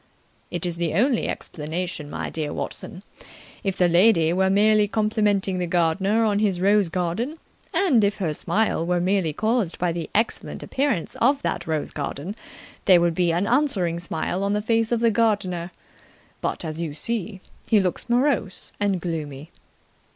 "It is the only explanation, my dear Watson. If the lady were merely complimenting the gardener on his rose garden, and if her smile were merely caused by the excellent appearance of that rose garden, there would be an answering smile on the face of the gardener. But, as you see, he looks morose and gloomy."